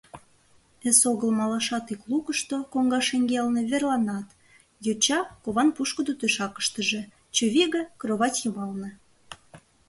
Эсогыл малашат ик лукышто, коҥга шеҥгелне, верланат: йоча — кован пушкыдо тӧшакыштыже, чывиге — кровать йымалне.